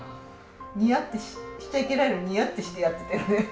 ニヤってしちゃいけないのにニヤってしてやってたよね。